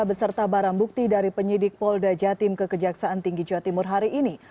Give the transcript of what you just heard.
beserta barang bukti dari penyidik polda jatim ke kejaksaan tinggi jawa timur hari ini